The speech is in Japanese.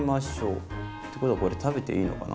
ってことはこれ食べていいのかな？